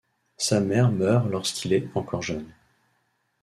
Sa mère meurt lorsqu'il est encore jeune.